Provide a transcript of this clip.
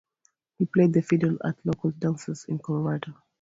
He played the fiddle at local dances in Colorado.